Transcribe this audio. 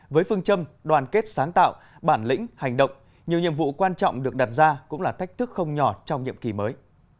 với phương châm đoàn kết sáng tạo bản lĩnh hành động nhiều nhiệm vụ quan trọng được đặt ra cũng là thách thức không nhỏ trong nhiệm kỳ mới